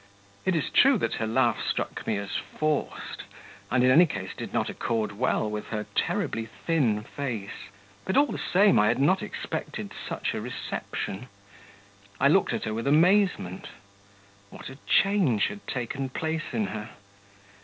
It is true that her laugh struck me as forced, and in any case did not accord well with her terribly thin face ... but, all the same, I had not expected such a reception.... I looked at her with amazement ... what a change had taken place in her!